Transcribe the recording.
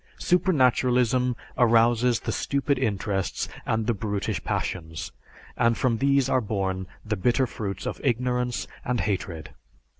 Supernaturalism arouses the stupid interests and the brutish passions, and from these are born the bitter fruits of ignorance and hatred.